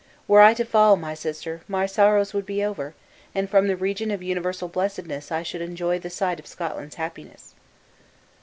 Were I to fall, my sister, my sorrows would be over; and from the region of universal blessedness I should enjoy the sight of Scotland's happiness."